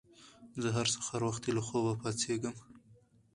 زه هر سهار وختي له خوبه پاڅېږم